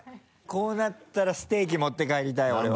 こうなったらステーキ持って帰りたい俺は。